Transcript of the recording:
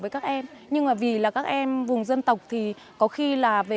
rồi thế còn cái này